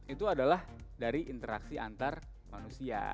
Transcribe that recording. itu adalah dari interaksi antar manusia